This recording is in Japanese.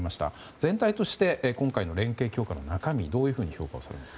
全体として今回の連携強化の中身はどういうふうに評価をされますか？